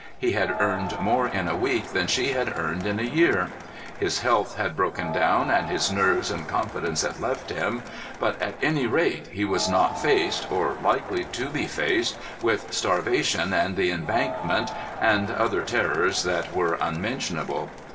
He had earned more in a week than she had earned in a year. His health had broken down, and his nerves and confidence had left him, but, at any rate, he was not faced, or likely to be faced, with starvation and the Embankment, and other terrors that were unmentionable.